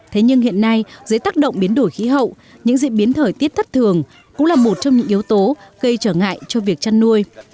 thế nhưng hiện nay dưới tác động biến đổi khí hậu những diễn biến thời tiết thất thường cũng là một trong những yếu tố gây trở ngại cho việc chăn nuôi